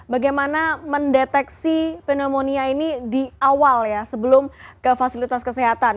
bagaimana mendeteksi pneumonia ini di awal ya sebelum ke fasilitas kesehatan